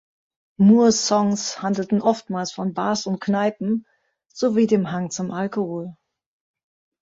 Moores Songs handelten oftmals von Bars und Kneipen sowie dem Hang zum Alkohol.